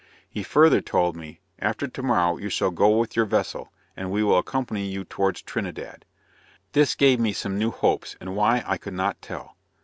He further told me, "after tomorrow you shall go with your vessel, and we will accompany you towards Trinidad." This gave me some new hopes, and why I could not tell.